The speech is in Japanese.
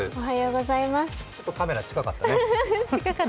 ちょっとカメラ、近かったね。